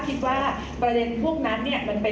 การสอบส่วนแล้วนะ